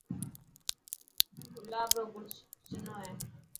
گلاب روگل سني هي.